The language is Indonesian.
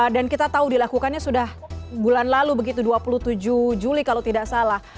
dan kita tahu dilakukannya sudah bulan lalu begitu dua puluh tujuh juli kalau tidak salah